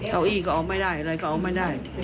เก้าอี้ก็เอาไม่ได้อะไรก็เอาไม่ได้